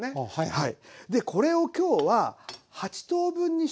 はい。